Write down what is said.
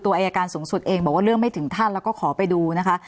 อายการสูงสุดเองบอกว่าเรื่องไม่ถึงท่านแล้วก็ขอไปดูนะคะ